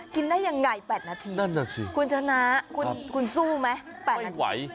กินได้ยังไง๘นาทีคุณชนะคุณสู้ไหม๘นาทีไม่ไหว